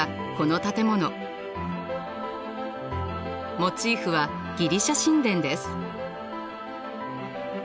モチーフはギリシャ神殿です。